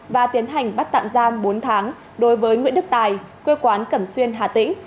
và tiến hành bắt tạm giam bốn tháng đối với nguyễn đức tài quê quán cẩm xuyên hà tĩnh